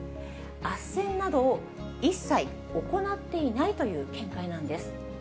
あっせんなどを一切行っていないという見解なんです。